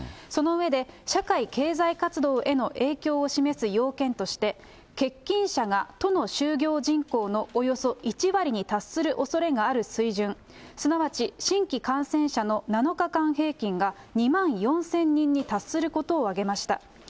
その上で、社会経済活動への影響を示す要件として、欠勤者が都の就業人口のおよそ１割に達するおそれがある水準。すなわち新規感染者の７日間平均が、２万４０００人に達することを挙げました。